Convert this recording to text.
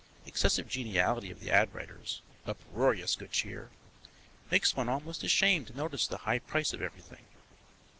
Excessive geniality of the ad writers. Uproarious good cheer. Makes one almost ashamed to notice the high price of everything.